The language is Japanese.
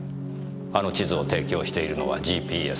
あの地図を提供しているのはＧＰＳ。